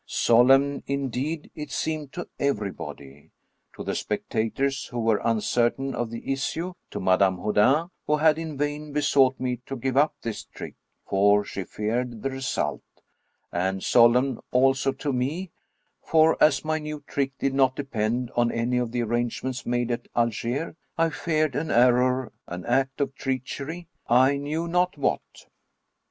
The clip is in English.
Solemn, indeed, it seemed to everybody — ^to the specta tors who were uncertain of the issue, to Madame Houdin, who had in vain besought me to give up this trick, for she feared the result — ^and solemn also to me, for as my new 236 Af. Robert Houdin trick did not depend on any of the arrangements made at Algiers, I feared sui error, an act of treachery — I knew not what.